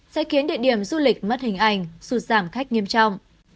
sẽ khiến địa điểm du lịch mất hình ảnh sụt giảm khách nghiêm trọng